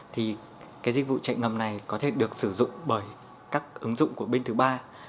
thì cái dịch vụ chạy ngầm này có thể được sử dụng bởi các ứng dụng của bên thứ ba